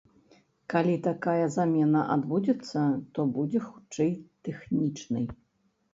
Калі такая замена адбудзецца, то будзе хутчэй тэхнічнай.